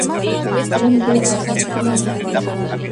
په هند کې یې سلطنتونه جوړ کړل.